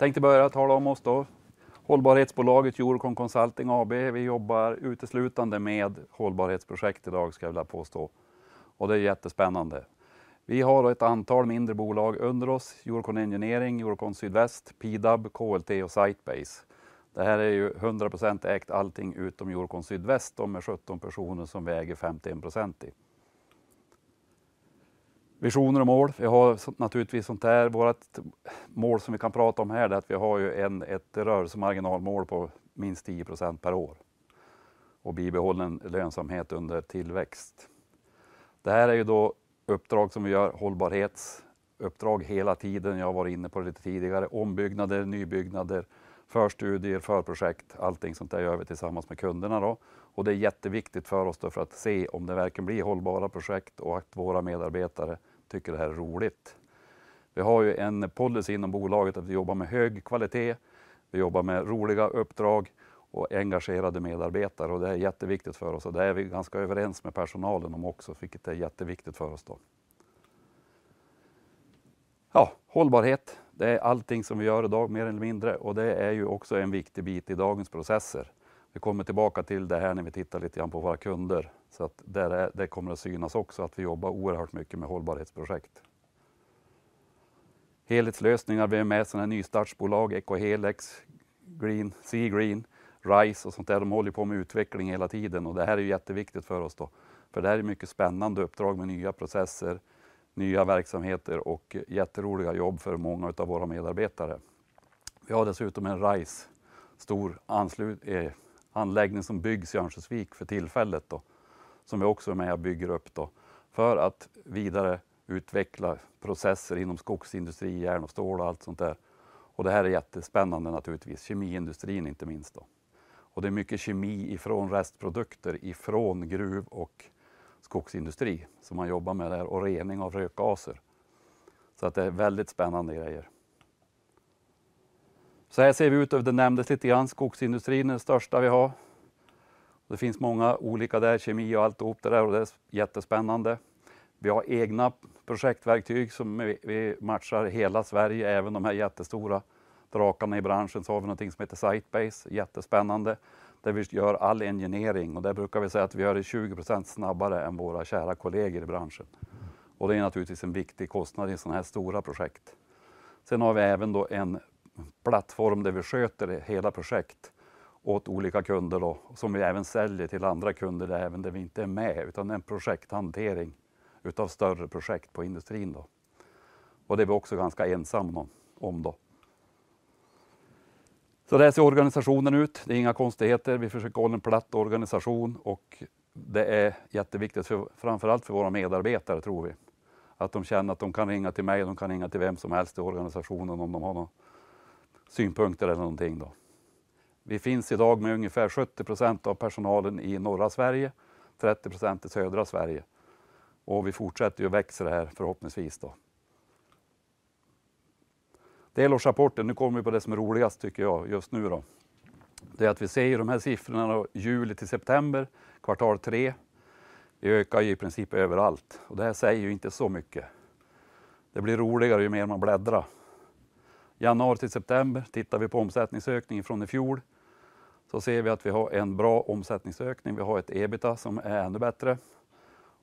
Jag tänkte börja tala om oss då. Hållbarhetsbolaget Eurocon Consulting AB. Vi jobbar uteslutande med hållbarhetsprojekt i dag ska jag vilja påstå. Det är jättespännande. Vi har ett antal mindre bolag under oss, Eurocon Engineering, Eurocon Sydväst, Pidab, KLT och SiteBase. Det här är ju 100% ägt allting utom Eurocon Sydväst. De är 17 personer som vi äger 51% i. Visioner och mål. Vi har naturligtvis sånt här, vårt mål som vi kan prata om här är att vi har ett rörelsemarginalmål på minst 10% per år och bibehållen lönsamhet under tillväxt. Det här är ju då uppdrag som vi gör, hållbarhetsuppdrag hela tiden. Jag har varit inne på det lite tidigare. Ombyggnader, nybyggnader, förstudier, förprojekt, allting sånt där gör vi tillsammans med kunderna. Det är jätteviktigt för oss för att se om det verkligen blir hållbara projekt och att våra medarbetare tycker det här är roligt. Vi har ju en policy inom bolaget att vi jobbar med hög kvalitet, vi jobbar med roliga uppdrag och engagerade medarbetare. Det är jätteviktigt för oss. Det är vi ganska överens med personalen om också, vilket är jätteviktigt för oss då. Ja, hållbarhet, det är allting som vi gör i dag mer eller mindre och det är ju också en viktig bit i dagens processer. Vi kommer tillbaka till det här när vi tittar lite grann på våra kunder. Det kommer att synas också att vi jobbar oerhört mycket med hållbarhetsprojekt. Helhetslösningar, vi är med sådana nystartsbolag, Ecohelix, Green, Sea Green, RISE och sånt där. De håller på med utveckling hela tiden och det här är jätteviktigt för oss då. Det här är mycket spännande uppdrag med nya processer, nya verksamheter och jätteroliga jobb för många utav våra medarbetare. Vi har dessutom en RISE, stor anläggning som byggs i Örnsköldsvik för tillfället då. Som vi också är med och bygger upp då. För att vidareutveckla processer inom skogsindustri, järn och stål och allt sånt där. Det här är jättespännande naturligtvis, kemiindustrin inte minst då. Det är mycket kemi ifrån restprodukter, ifrån gruv- och skogsindustri som man jobbar med där och rening av rökgaser. Det är väldigt spännande grejer. Såhär ser vi ut, det nämndes lite grann. Skogsindustrin är det största vi har. Det finns många olika där, kemi och alltihop det där och det är jättespännande. Vi har egna projektverktyg som vi matchar hela Sverige, även de här jättestora drakarna i branschen. Har vi någonting som heter SiteBase, jättespännande, där vi gör all engineering och där brukar vi säga att vi gör det 20% snabbare än våra kära kollegor i branschen. Det är naturligtvis en viktig kostnad i sådana här stora projekt. Har vi även då en plattform där vi sköter hela projekt åt olika kunder då, som vi även säljer till andra kunder där även där vi inte är med, utan en projekthantering utav större projekt på industrin då. Det är vi också ganska ensamma om då. Där ser organisationen ut. Det är inga konstigheter. Vi försöker hålla en platt organisation och det är jätteviktigt för, framför allt för våra medarbetare tror vi. De känner att de kan ringa till mig, de kan ringa till vem som helst i organisationen om de har några synpunkter eller någonting då. Vi finns i dag med ungefär 70% av personalen i norra Sverige, 30% i södra Sverige. Vi fortsätter att växa det här förhoppningsvis då. Delårsrapporten, nu kommer vi på det som är roligast tycker jag just nu då. Det är att vi ser ju de här siffrorna juli till september, Q3. Vi ökar ju i princip överallt och det här säger ju inte så mycket. Det blir roligare ju mer man bläddrar. Januari till september, tittar vi på omsättningsökningen från i fjol, så ser vi att vi har en bra omsättningsökning. Vi har ett EBITDA som är ännu bättre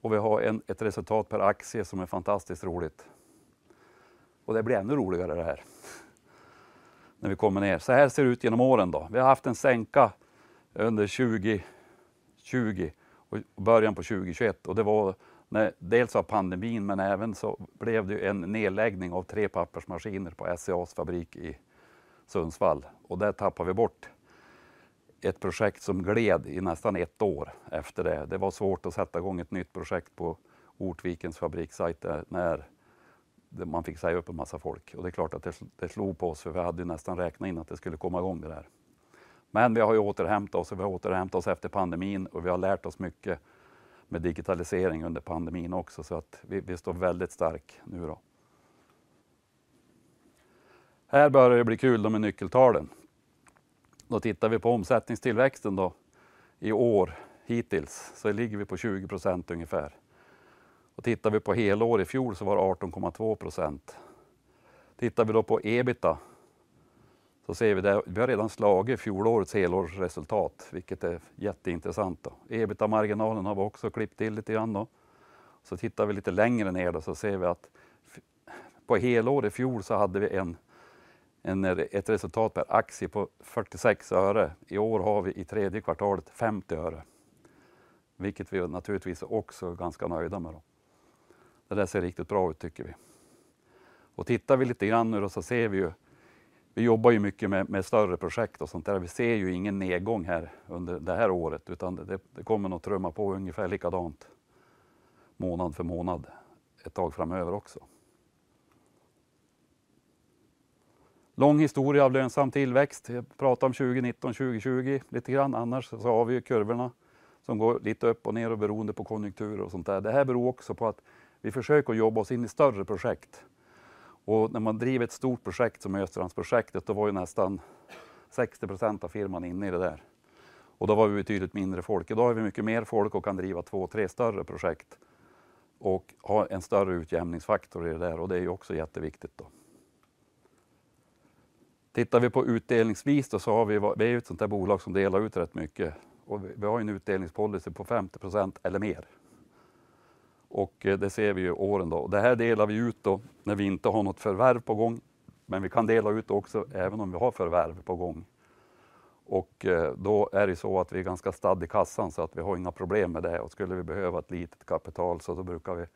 och vi har ett resultat per aktie som är fantastiskt roligt. Det blir ännu roligare det här när vi kommer ner. Såhär ser det ut genom åren då. Vi har haft en sänka under 2020 och i början på 2021. Det var när, dels av pandemin, men även så blev det ju en nedläggning av tre pappersmaskiner på SCA:s fabrik i Sundsvall. Där tappar vi bort ett projekt som gled i nästan ett år efter det. Det var svårt att sätta i gång ett nytt projekt på Ortvikens fabrikssite när man fick säga upp en massa folk. Det är klart att det slog på oss för vi hade nästan räknat in att det skulle komma i gång det där. Vi har ju återhämtat oss och vi har återhämtat oss efter pandemin och vi har lärt oss mycket med digitalisering under pandemin också. Vi står väldigt stark nu då. Här börjar det bli kul då med nyckeltalen. Tittar vi på omsättningstillväxten då i år hittills. Ligger vi på 20% ungefär. Tittar vi på helår i fjol så var det 18.2%. Tittar vi då på EBITDA så ser vi där, vi har redan slagit fjolårets helårsresultat, vilket är jätteintressant då. EBITDA-marginalen har vi också klippt till lite grann då. Tittar vi lite längre ner då så ser vi att på helår i fjol så hade vi en, ett resultat per aktie på 0.46. I år har vi i tredje kvartalet 0.50, vilket vi naturligtvis också är ganska nöjda med då. Det där ser riktigt bra ut tycker vi. Tittar vi lite grann nu då så ser vi ju, vi jobbar ju mycket med större projekt och sånt där. Vi ser ju ingen nedgång här under det här året, utan det kommer nog trumma på ungefär likadant månad för månad, ett tag framöver också. Lång historia av lönsam tillväxt. Vi pratar om 2019, 2020 lite grann. Annars har vi kurvorna som går lite upp och ner och beroende på konjunktur och sånt där. Det här beror också på att vi försöker jobba oss in i större projekt. När man driver ett stort projekt som Östrandsprojektet, då var ju nästan 60% av firman inne i det där. Då var vi betydligt mindre folk. I dag är vi mycket mer folk och kan driva 2, 3 större projekt. Ha en större utjämningsfaktor i det där och det är också jätteviktigt då. Tittar vi på utdelningsvis då så har vi är ju ett sånt där bolag som delar ut rätt mycket och vi har en utdelningspolicy på 50% eller mer. Det ser vi ju åren då. Det här delar vi ut då när vi inte har något förvärv på gång, men vi kan dela ut också även om vi har förvärv på gång. Då är det så att vi är ganska stad i kassan så att vi har inga problem med det. Skulle vi behöva ett litet kapital så då brukar vi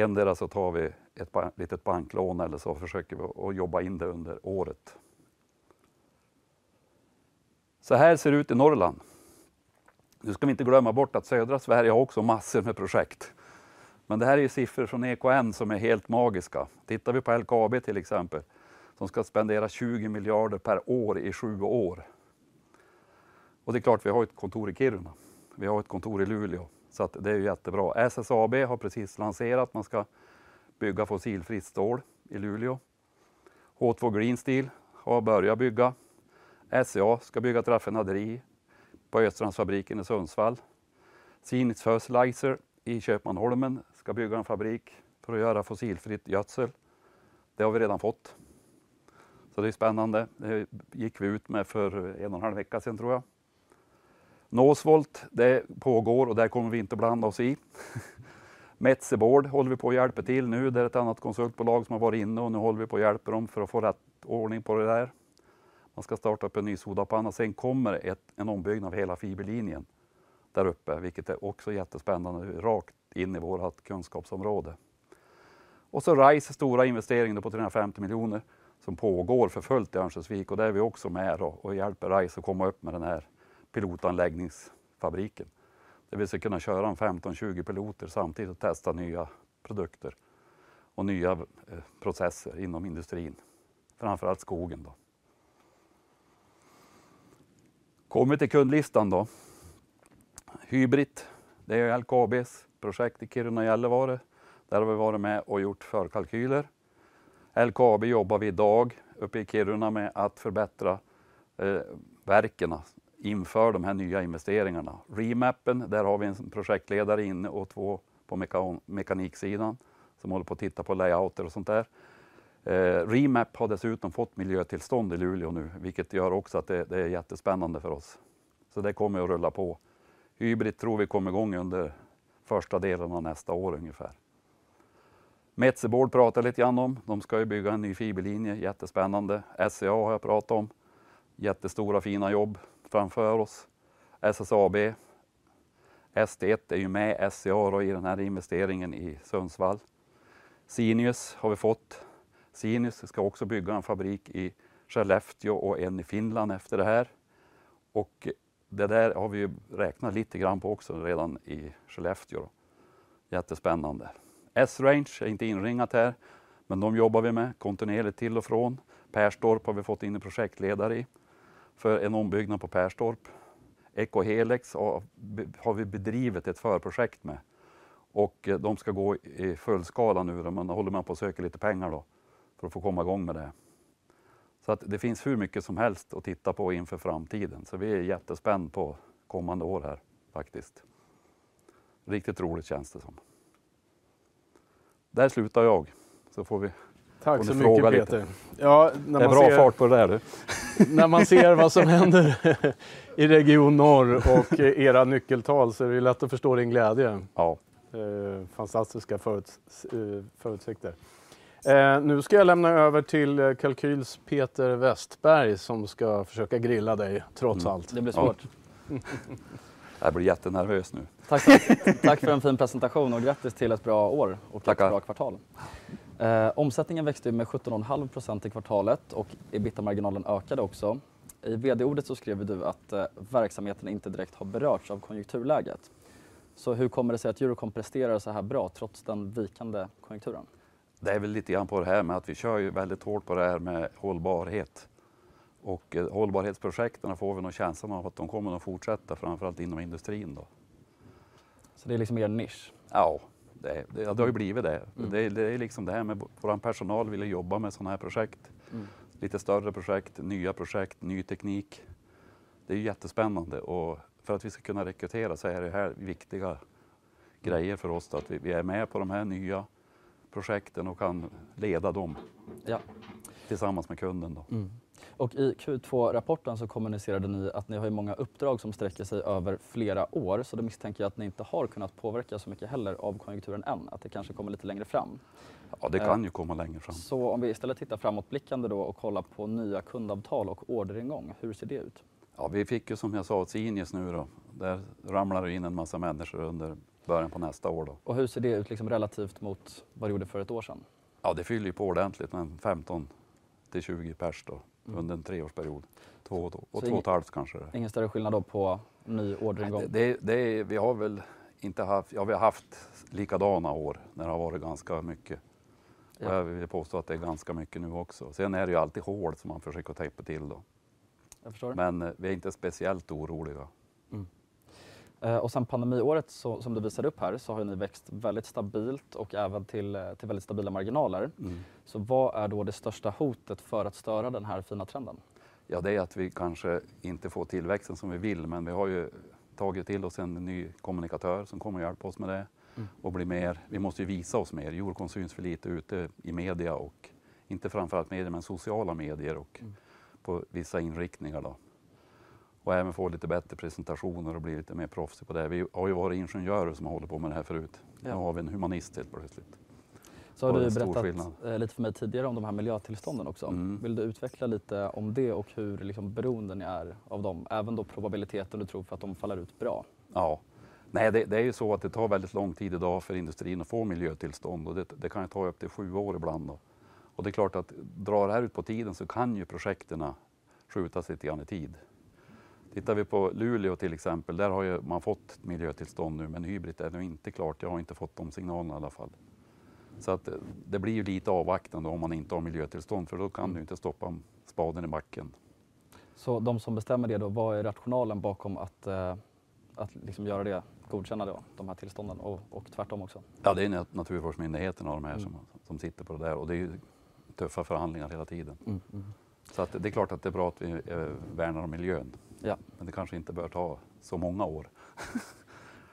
endera så tar vi ett litet banklån eller så försöker vi och jobba in det under året. Såhär ser det ut i Norrland. Nu ska vi inte glömma bort att södra Sverige har också massor med projekt. Det här är ju siffror från EKN som är helt magiska. Tittar vi på LKAB till exempel, som ska spendera 20 billion per år i 7 years. Det är klart, vi har ett kontor i Kiruna. Vi har ett kontor i Luleå. Det är jättebra. SSAB har precis lanserat man ska bygga fossilfritt stål i Luleå. H2 Green Steel har börjat bygga. SCA ska bygga ett raffinerad på Östrandsfabriken i Sundsvall. Cinifol fertilizer i Köpmanholmen ska bygga en fabrik för att göra fossilfritt gödsel. Det har vi redan fått. Det är spännande. Det gick vi ut med för en och en halv vecka sedan tror jag. Northvolt, det pågår och där kommer vi inte blanda oss i. Metsä Board håller vi på att hjälpa till nu. Det är ett annat konsultbolag som har varit inne och nu håller vi på att hjälpa dem för att få rätt ordning på det där. Man ska starta upp en ny sodapanna. Sen kommer en ombyggnad av hela fiberlinjen där uppe, vilket är också jättespännande rakt in i vårt kunskapsområde. RISE, stora investeringen på 350 million som pågår för fullt i Örnsköldsvik. Där är vi också med och hjälper RISE att komma upp med den här pilotanläggningsfabriken. Det vill säga kunna köra en 15, 20 piloter samtidigt och testa nya produkter och nya processer inom industrin, framför allt skogen då. Kommer till kundlistan då. HYBRIT, det är LKAB's projekt i Kiruna, Gällivare. Där har vi varit med och gjort förkalkyler. LKAB jobbar vi i dag uppe i Kiruna med att förbättra verken inför de här nya investeringarna. Remappen, där har vi en projektledare inne och 2 på mekanik sidan som håller på att titta på layouter och sånt där. Remap har dessutom fått miljötillstånd i Luleå nu, vilket gör också att det är jättespännande för oss. Det kommer att rulla på. HYBRIT tror vi kommer i gång under 1st delen av nästa år ungefär. Metsä Board pratade lite grann om. De ska ju bygga en ny fiberlinje, jättespännande. SCA har jag pratat om. Jättestora fina jobb framför oss. SSAB, SD1 är ju med SCA i den här investeringen i Sundsvall. Cinifol har vi fått. Cinifol ska också bygga en fabrik i Skellefteå och en i Finland efter det här. Det där har vi räknat lite grann på också redan i Skellefteå. Jättespännande. S Range är inte inringat här, men de jobbar vi med kontinuerligt till och från. Perstorp har vi fått in en projektledare i för en ombyggnad på Perstorp. Ecohelix har vi bedrivit ett förprojekt med och de ska gå i fullskala nu. Man håller med om att söka lite pengar då för att få komma i gång med det. Att det finns hur mycket som helst att titta på inför framtiden. Vi är jättespänt på kommande år här faktiskt. Riktigt roligt känns det som. Där slutar jag. Får vi frågor lite. Tack så mycket Peter. Det är bra fart på det där du. När man ser vad som händer i Region Norr och era nyckeltal så är det lätt att förstå din glädje. Fantastiska förutsikter. Nu ska jag lämna över till Redeye Peter Westberg som ska försöka grilla dig trots allt. Det blir svårt. Jag blir jättenervös nu. Tack för en fin presentation och grattis till ett bra år och ett bra kvartal. Omsättningen växte med 17.5% i kvartalet och EBITA-marginalen ökade också. I vd-ordet skriver du att verksamheten inte direkt har berörts av konjunkturläget. Hur kommer det sig att Eurocon presterar såhär bra trots den vikande konjunkturen? Det är väl lite grann på det här med att vi kör ju väldigt hårt på det här med hållbarhet och hållbarhetsprojekten får vi nog känslan av att de kommer att fortsätta framför allt inom industrin då. Det är liksom er niche? Det har ju blivit det. Det är liksom det här med våran personal vill jobba med sådana här projekt, lite större projekt, nya projekt, ny teknik. Det är jättespännande och för att vi ska kunna rekrytera så är det här viktiga grejer för oss då. Att vi är med på de här nya projekten och kan leda dem tillsammans med kunden då. I Q2-rapporten så kommunicerade ni att ni har många uppdrag som sträcker sig över flera år. Då misstänker jag att ni inte har kunnat påverka så mycket heller av konjunkturen än. Det kanske kommer lite längre fram. Ja, det kan ju komma längre fram. Om vi istället tittar framåtblickande då och kollar på nya kundavtal och orderingång, hur ser det ut? Vi fick ju som jag sa Cinifol nu då. Där ramlar det in en massa människor under början på nästa år då. Hur ser det ut liksom relativt mot vad det gjorde för 1 år sedan? Ja, det fyller ju på ordentligt. En 15 till 20 pers då under en 3-årsperiod. 2 då och 2.5 kanske. Ingen större skillnad då på ny orderingång? Det vi har väl inte haft. Ja, vi har haft likadana år när det har varit ganska mycket. Jag vill påstå att det är ganska mycket nu också. Är det ju alltid hål som man försöker tejpa till då. Jag förstår det. Vi är inte speciellt oroliga. Sen pandemiåret som du visade upp här så har ni växt väldigt stabilt och även till väldigt stabila marginaler. Vad är då det största hotet för att störa den här fina trenden? Ja det är att vi kanske inte får tillväxten som vi vill, men vi har ju tagit till oss en ny kommunikatör som kommer att hjälpa oss med det och bli mer. Vi måste ju visa oss mer. Eurocon syns för lite ute i media och inte framför allt media, men sociala medier och på vissa inriktningar då. Även få lite bättre presentationer och bli lite mer proffsig på det. Vi har ju varit ingenjörer som håller på med det här förut. Nu har vi en humanist helt plötsligt. Har du berättat lite för mig tidigare om de här miljötillstånden också. Vill du utveckla lite om det och hur liksom beroenden ni är av dem? Även då probabiliteten du tror för att de faller ut bra. Ja. Nej, det är ju så att det tar väldigt lång tid i dag för industrin att få miljötillstånd. Det, det kan ju ta upp till sju år ibland. Det är klart att drar det här ut på tiden så kan ju projekten skjutas lite grann i tid. Tittar vi på Luleå till exempel, där har ju man fått miljötillstånd nu, men HYBRIT är nog inte klart. Jag har inte fått de signalerna i alla fall. Det blir ju lite avvaktande om man inte har miljötillstånd för då kan du inte stoppa spaden i backen. De som bestämmer det då, vad är rationalen bakom att liksom göra det? Godkänna då de här tillstånden och tvärtom också. Det är naturvårdsmyndigheten och de här som sitter på det där och det är ju tuffa förhandlingar hela tiden. Det är klart att det är bra att vi värnar om miljön. Det kanske inte bör ta så många år.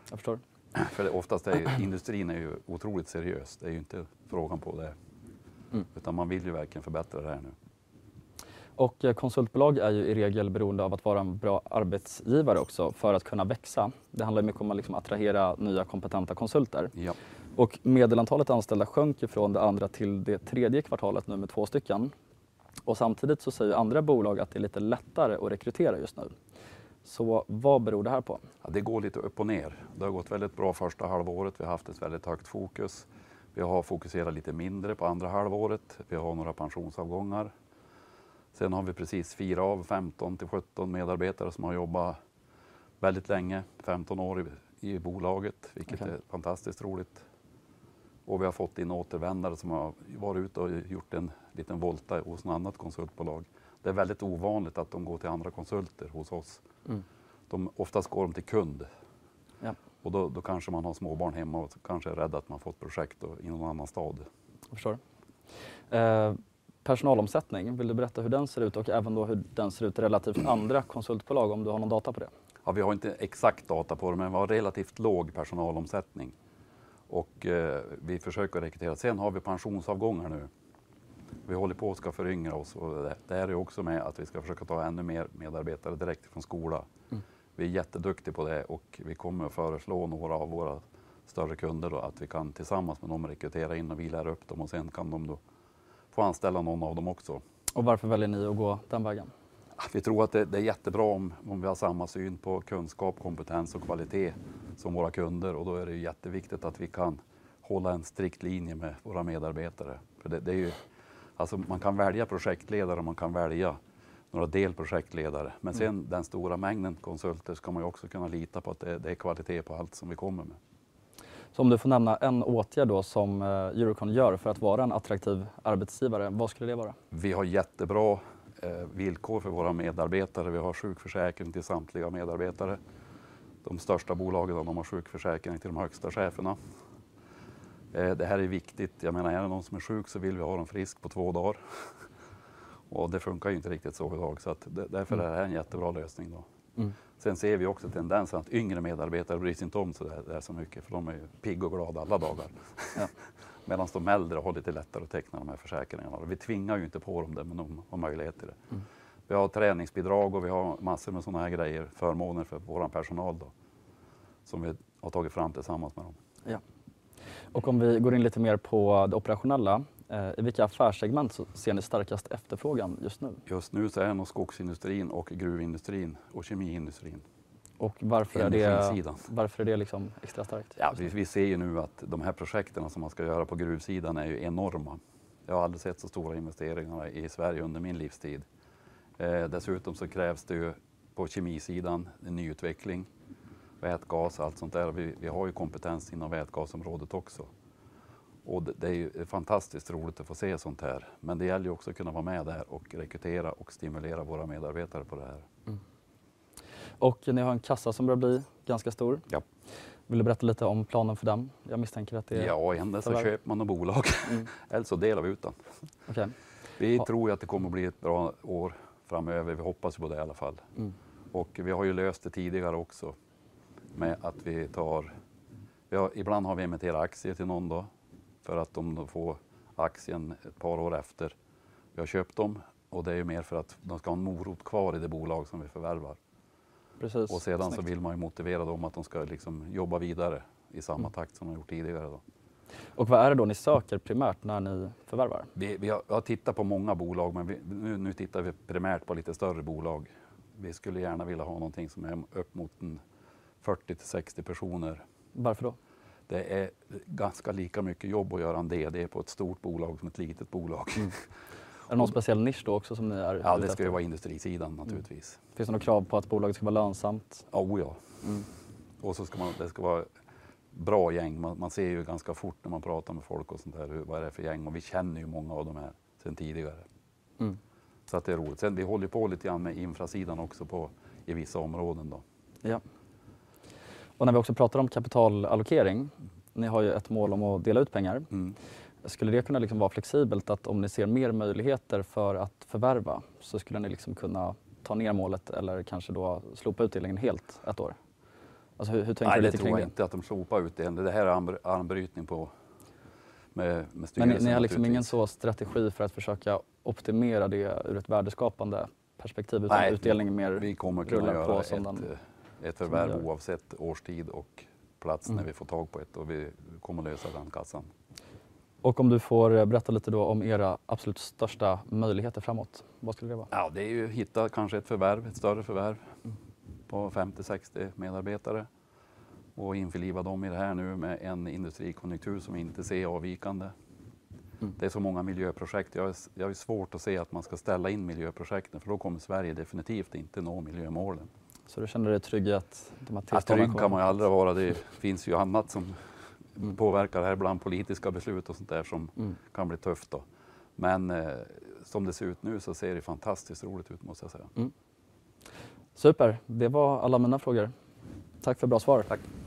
Jag förstår. Oftast är ju industrin otroligt seriös. Det är ju inte frågan på det, utan man vill ju verkligen förbättra det här nu. Konsultbolag är ju i regel beroende av att vara en bra arbetsgivare också för att kunna växa. Det handlar mer om att attrahera nya kompetenta konsulter. Medelantalet anställda sjunker från det andra till det tredje kvartalet nu med två stycken. Samtidigt så säger andra bolag att det är lite lättare att rekrytera just nu. Vad beror det här på? Det går lite upp och ner. Det har gått väldigt bra första halvåret. Vi har haft ett väldigt högt fokus. Vi har fokuserat lite mindre på andra halvåret. Vi har några pensionsavgångar. Vi har precis 4 av 15-17 medarbetare som har jobbat väldigt länge, 15 år i bolaget, vilket är fantastiskt roligt. Vi har fått in återvändare som har varit ute och gjort en liten volta hos ett annat konsultbolag. Det är väldigt ovanligt att de går till andra konsulter hos oss. De oftast går de till kund. Då kanske man har småbarn hemma och kanske är rädd att man får ett projekt i någon annan stad. Jag förstår. Personalomsättning, vill du berätta hur den ser ut och även då hur den ser ut relativt andra konsultbolag om du har någon data på det? Vi har inte exakt data på det, men vi har relativt låg personalomsättning. Vi försöker rekrytera. Vi har pensionsavgångar nu. Vi håller på och ska föryngra oss och det där. Det här är också med att vi ska försöka ta ännu mer medarbetare direkt från skola. Vi är jätteduktiga på det och vi kommer att föreslå några av våra större kunder att vi kan tillsammans med dem rekrytera in och vi lär upp dem och sen kan de då få anställa någon av dem också. Varför väljer ni att gå den vägen? Vi tror att det är jättebra om vi har samma syn på kunskap, kompetens och kvalitet som våra kunder. Då är det ju jätteviktigt att vi kan hålla en strikt linje med våra medarbetare. För det är ju, alltså man kan välja projektledare, man kan välja några delprojektledare. Sen den stora mängden konsulter ska man ju också kunna lita på att det är kvalitet på allt som vi kommer med. Om du får nämna en åtgärd då som Eurocon gör för att vara en attraktiv arbetsgivare, vad skulle det vara? Vi har jättebra villkor för våra medarbetare. Vi har sjukförsäkring till samtliga medarbetare. De största bolagen, de har sjukförsäkring till de högsta cheferna. Det här är viktigt. Jag menar, är det någon som är sjuk så vill vi ha dem frisk på 2 dagar. Det funkar inte riktigt så i dag. Därför det här är en jättebra lösning. Ser vi också tendensen att yngre medarbetare bryr sig inte om sådär så mycket för de är pigg och glad alla dagar. De äldre har lite lättare att teckna de här försäkringarna. Vi tvingar ju inte på dem det, men de har möjlighet till det. Vi har träningsbidrag och vi har massor med sådana här grejer, förmåner för vår personal då, som vi har tagit fram tillsammans med dem. Ja. Om vi går in lite mer på det operationella, i vilka affärssegment ser ni starkast efterfrågan just nu? Just nu är det nog skogsindustrin och gruvindustrin och kemiindustrin. Varför är det, varför är det liksom extra starkt? Vi ser ju nu att de här projekten som man ska göra på gruvsidan är ju enorma. Jag har aldrig sett så stora investeringar i Sverige under min livstid. Krävs det ju på kemisidan en nyutveckling, vätgas, allt sånt där. Vi har ju kompetens inom vätgasområdet också. Det är ju fantastiskt roligt att få se sånt här. Det gäller ju också att kunna vara med där och rekrytera och stimulera våra medarbetare på det här. Ni har en kassa som börjar bli ganska stor. Ja. Vill du berätta lite om planen för den? Jag misstänker att. Ja, endera så köper man något bolag. Så delar vi ut den. Okej. Vi tror ju att det kommer att bli ett bra år framöver. Vi hoppas på det i alla fall. Ibland har vi emitterat aktier till någon då för att de får aktien ett par år efter vi har köpt dem. Det är ju mer för att de ska ha en morot kvar i det bolag som vi förvärvar. Precis. Vill man ju motivera dem att de ska jobba vidare i samma takt som de gjort tidigare. Vad är det då ni söker primärt när ni förvärvar? Jag tittar på många bolag, nu tittar vi primärt på lite större bolag. Vi skulle gärna vilja ha någonting som är upp mot en 40-60 personer. Varför då? Det är ganska lika mycket jobb att göra en DD på ett stort bolag som ett litet bolag. Är det någon speciell nisch då också som ni är? Det skulle vara industrisidan naturligtvis. Finns det något krav på att bolaget ska vara lönsamt? Oh ja. Det ska vara bra gäng. Man ser ju ganska fort när man pratar med folk och sånt där, vad det är för gäng. Vi känner ju många av de här sedan tidigare. Det är roligt. Vi håller ju på lite grann med infrasidan också på i vissa områden då. Ja. När vi också pratar om kapitalallokering, ni har ju ett mål om att dela ut pengar. Skulle det kunna vara flexibelt att om ni ser mer möjligheter för att förvärva så skulle ni kunna ta ner målet eller kanske då slopa utdelningen helt ett år? Hur tänker ni kring det? Nej, det tror jag inte att de slopar utdelningen. Det här är en armbrytning på med styrelsen. Ni har liksom ingen så strategi för att försöka optimera det ur ett värdeskapande perspektiv. Utdelningen mer rullar på. Vi kommer kunna göra ett förvärv oavsett årstid och plats när vi får tag på ett och vi kommer lösa den kassan. Om du får berätta lite då om era absolut största möjligheter framåt, vad skulle det vara? Det är ju att hitta kanske ett förvärv, ett större förvärv på 50, 60 medarbetare och införliva dem i det här nu med en industrikonjunktur som vi inte ser avvikande. Det är så många miljöprojekt. Jag har svårt att se att man ska ställa in miljöprojekten för då kommer Sverige definitivt inte nå miljömålen. Du känner dig trygg i att de har tillgång? Trygg kan man ju aldrig vara. Det finns ju annat som påverkar här, ibland politiska beslut och sånt där som kan bli tufft då. Som det ser ut nu så ser det fantastiskt roligt ut måste jag säga. Super! Det var alla mina frågor. Tack för bra svar. Tack